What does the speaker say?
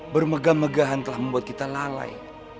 bermegah megahan telah membuat kita lalai